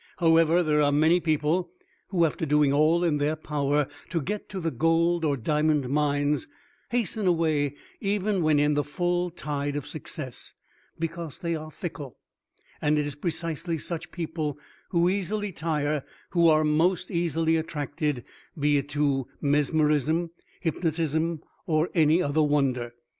However, there are many people who after doing all in their power to get to the gold or diamond mines, hasten away even when in the full tide of success, because they are fickle and it is precisely such people who easily tire who are most easily attracted, be it to mesmerism, hypnotism, or any other wonder.